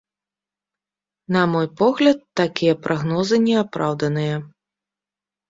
На мой погляд, такія прагнозы не апраўданыя.